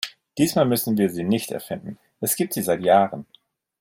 Diesmal müssen wir sie nicht erfinden, es gibt sie seit Jahren.